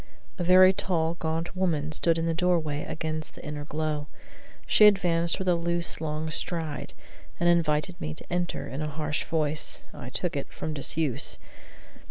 A very tall, gaunt woman stood in the doorway against the inner glow. She advanced with a loose, long stride, and invited me to enter in a voice harsh (I took it) from disuse.